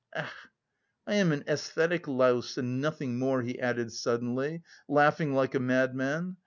Ech, I am an æsthetic louse and nothing more," he added suddenly, laughing like a madman.